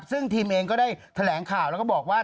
ซึ่งทีมเองก็ได้แถลงข่าวแล้วก็บอกว่า